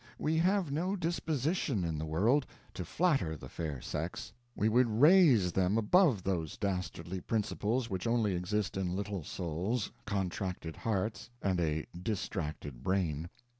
We have no disposition in the world to flatter the fair sex, we would raise them above those dastardly principles which only exist in little souls, contracted hearts, and a distracted brain.